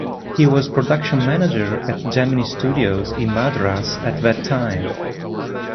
He was Production Manager at Gemini Studios in Madras at that time.